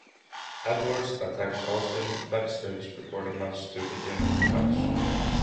Edwards attacked Austin backstage before the match to begin the match.